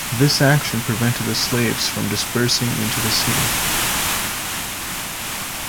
This action prevented the slaves from dispersing into the city.